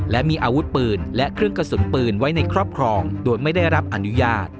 และมีอาวุธปืนและเครื่องกระสุนปืนไว้ในครอบครองโดยไม่ได้รับอนุญาต